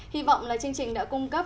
hy vọng là chương trình đã cung cấp